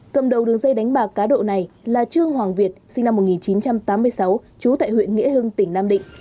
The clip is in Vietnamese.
cầm đầu đường dây đánh bạc cá độ này là trương hoàng việt sinh năm một nghìn chín trăm tám mươi sáu trú tại huyện nghĩa hưng tỉnh nam định